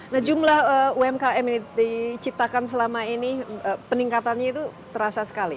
nah jumlah umkm yang diciptakan selama ini peningkatannya itu terasa sekali